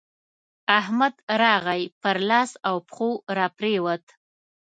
احمد راغی؛ پر لاس او پښو راپرېوت.